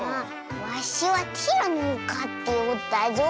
わしはティラノをかっておったぞ。